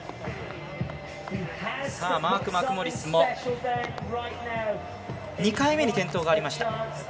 マーク・マクモリスも２回目に転倒がありました。